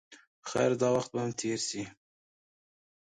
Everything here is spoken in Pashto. خیر دا وخت به هم تېر شي.